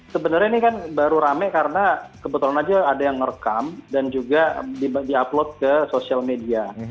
sebenarnya ini kan baru rame karena kebetulan aja ada yang ngerekam dan juga di upload ke social media